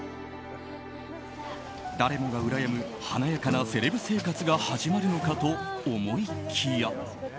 誰もがうらやむ華やかなセレブ生活が始まるのかと思いきや。